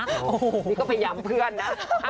นี่ก็พยายามเพื่อนนะ